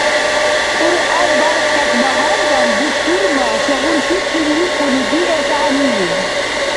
Кьуръан бяркъес багьандан бусурма сегъунти къиликъуни диэс гӏягӏнили?